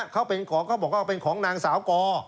เขาเป็นของเขาบอกว่าเป็นของนางสาวกอ